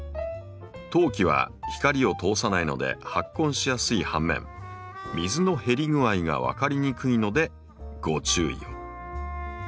陶器は光を通さないので発根しやすい反面水の減り具合が分かりにくいのでご注意を。